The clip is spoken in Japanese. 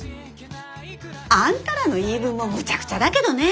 あんたらの言い分もむちゃくちゃだけどね。